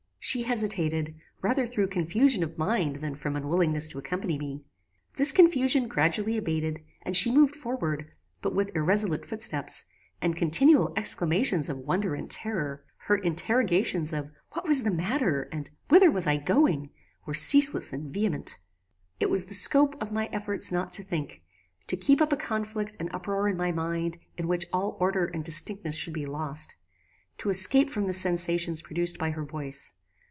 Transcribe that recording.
She hesitated, rather through confusion of mind than from unwillingness to accompany me. This confusion gradually abated, and she moved forward, but with irresolute footsteps, and continual exclamations of wonder and terror. Her interrogations Of "what was the matter?" and "whither was I going?" were ceaseless and vehement. "It was the scope of my efforts not to think; to keep up a conflict and uproar in my mind in which all order and distinctness should be lost; to escape from the sensations produced by her voice.